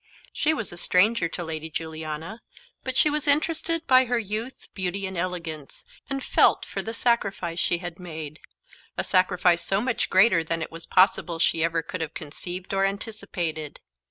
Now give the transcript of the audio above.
She was a stranger to Lady Juliana; but she was interested by her youth, beauty, and elegance, and felt for the sacrifice she had made a sacrifice so much greater than it was possible she ever could have conceived or anticipated.